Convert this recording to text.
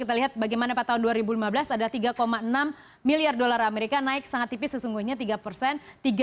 kita lihat bagaimana pada tahun dua ribu lima belas ada tiga enam miliar dolar amerika naik sangat tipis sesungguhnya tiga persen